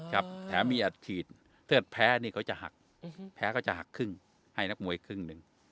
แถมมีอัดฉีดถ้าแพ้นี่เขาจะหักแพ้เขาจะหักครึ่งให้นักมวยครึ่งหนึ่ง